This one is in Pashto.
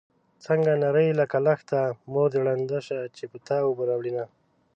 څنګه نرۍ يې لکه لښته مور دې ړنده شه چې په تا اوبه راوړينه